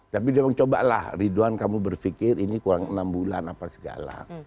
tapi dia bilang cobalah ridwan kamu berpikir ini kurang enam bulan apa segala